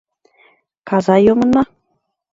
Каза йомын мо?